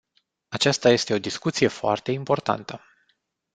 Aceasta este o discuție foarte importantă.